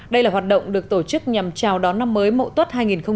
đây là hoạt động được tổ chức nhằm chào đón năm mới mẫu tuất hai nghìn một mươi tám